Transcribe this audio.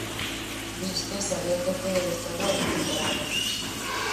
Luís César é o terceiro adestrador da temporada.